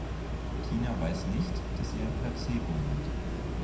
Tina weiß nicht, dass sie ein Placebo nimmt.